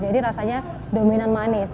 jadi rasanya dominan manis